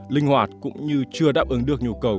linh hoạt cũng như chưa đáp ứng được nhu cầu